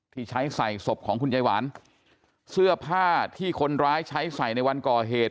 ที่ใช้ใส่ศพของคุณยายหวานเสื้อผ้าที่คนร้ายใช้ใส่ในวันก่อเหตุ